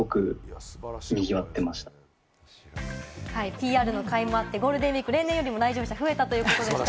ＰＲのかいもあって、ゴールデンウイーク、例年よりも来場者が増えたということでした。